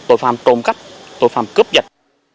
tội phạm trộm cắp tội phạm cướp giật